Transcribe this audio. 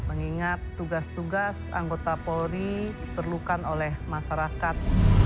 mengingat tugas tugas anggota polri perlukan oleh masyarakat